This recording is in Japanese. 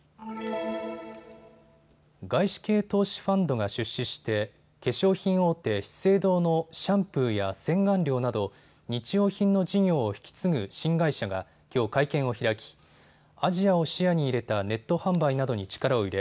外資系投資ファンドが出資して化粧品大手、資生堂のシャンプーや洗顔料など日用品の事業を引き継ぐ新会社がきょう会見を開きアジアを視野に入れたネット販売などに力を入れ